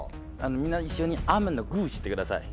みんな一緒にアーメンのグしてください。